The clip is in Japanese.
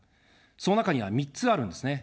その中には３つあるんですね。